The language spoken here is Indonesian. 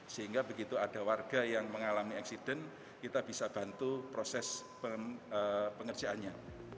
sehingga begitu ada warga yang mengalami accident kita bisa bantu proses pengerjaannya